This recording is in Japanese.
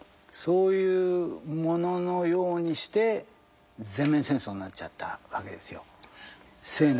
そういうもののようにして全面戦争になっちゃったわけですよ。